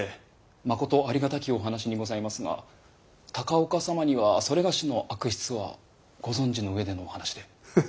まことありがたきお話にございますが高岳様にはそれがしの悪筆はご存じの上でのお話で。